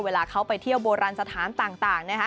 เวลาเขาไปเที่ยวโบราณสถานต่าง